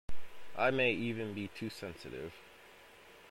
I may even be too sensitive.